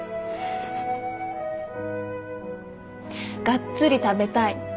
がっつり食べたい。